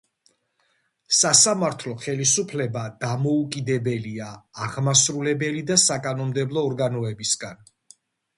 სასამართლო ხელისუფლება დამოუკიდებელია აღმასრულებელი და საკანონმდებლო ორგანოებისგან.